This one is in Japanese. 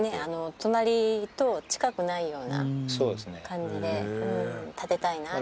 隣と近くないような感じで建てたいなって。